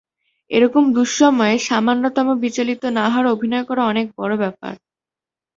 এরকম দুঃসময়ে সামান্যতম বিচলিত না হওয়ার অভিনয় করা অনেক বড় ব্যাপার।